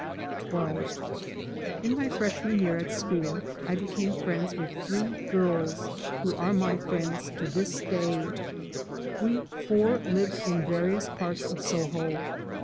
3 by Google XII IN my freshman year at school I became friends with three girls who are my friends to this day. We four Uved'in various parts of Soho.